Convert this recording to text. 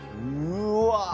うわ。